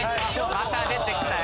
また出て来たよ。